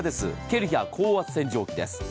ケルヒャー高圧洗浄機です。